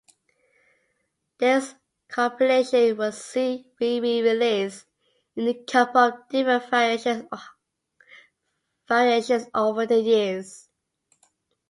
This compilation would see re-release in a couple of different variations over the years.